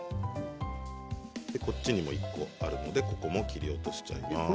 こっちにも１個あるのでここも切り落としちゃいます。